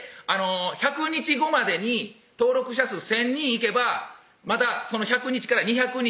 １００日後までに登録者数１０００人いけばまだその１００日から２００日